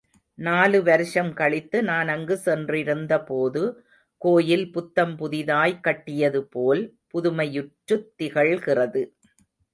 நாலு வருஷம் கழித்து நான் அங்கு சென்றிருந்த போது, கோயில் புத்தம் புதிதாய் கட்டியது போல் புதுமையுற்றுத் திகழ்கிறது.